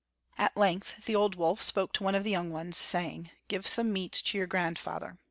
At length the old wolf spoke to one of the young ones, saying: "Give some meat to your grandfather."